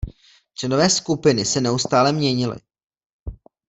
Členové skupiny se neustále měnili.